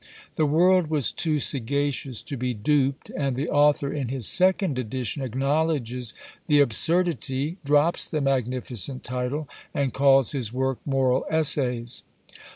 The world was too sagacious to be duped, and the author in his second edition acknowledges the absurdity, drops "the magnificent title," and calls his work "Moral Essays."